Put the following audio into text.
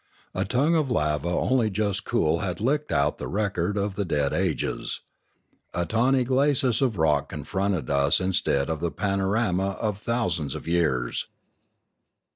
A tongue of lava only just cool had licked out the record of the dead ages. A tawny glacis of rock confronted us instead of the panorama of thousands of years.